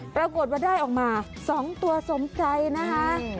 ปรากฏว่าได้ออกมา๒ตัวสมใจนะคะ